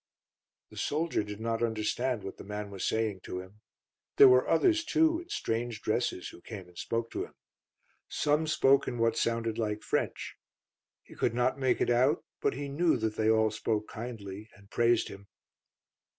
The soldier did not understand what the man was saying to him. There were others, too, in strange dresses, who came and spoke to him. Some spoke in what sounded like French. He could not make it out; but he knew that they all spoke kindly and praised him.